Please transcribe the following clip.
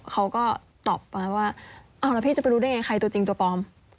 เขาก็ตอบไปว่าเอาแล้วพี่จะไปรู้ได้ไงใครตัวจริงตัวปลอม